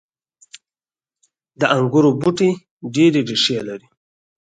• د انګورو بوټي ډیرې ریښې لري.